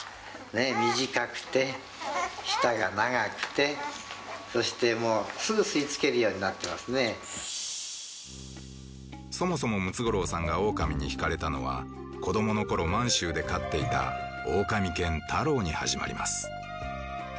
短くて、舌が長くてそしてすぐ吸い付けるようにそもそもムツゴロウさんがオオカミに引かれたのは子供のころ、満州で飼っていたオオカミ犬・タロウに始まります。